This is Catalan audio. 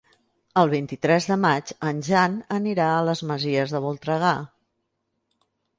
El vint-i-tres de maig en Jan anirà a les Masies de Voltregà.